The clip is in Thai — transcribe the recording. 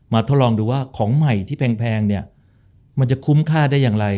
ทดลองดูว่าของใหม่ที่แพงเนี่ยมันจะคุ้มค่าได้อย่างไร